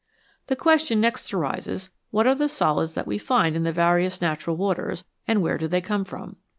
The question next arises, what are the solids that we find in the various natural waters, and where do they come from